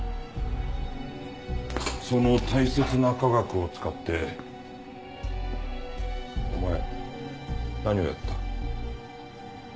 その大切な科学を使ってお前何をやった？